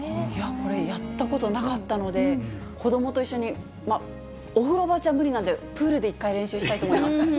これ、やったことなかったので、子どもと一緒に、お風呂場じゃ無理なんで、プールで一回練習したいと思います。